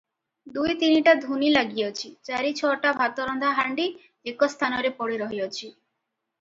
ଦୁଇ ତିନିଟା ଧୂନି ଲାଗିଅଛି, ଚାରି ଛଅଟା ଭାତରନ୍ଧା ହାଣ୍ଡି ଏକ ସ୍ଥାନରେ ପଡି ରହିଅଛି ।